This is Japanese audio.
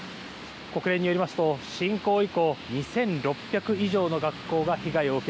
国連によりますと侵攻以降２６００以上の学校が被害を受け